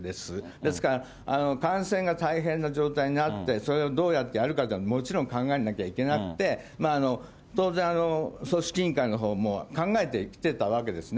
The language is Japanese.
ですから、感染が大変な状態になって、それをどうやってやるかっていうのはもちろん考えなきゃいけなくて、当然、組織委員会のほうも考えてきてたわけですね。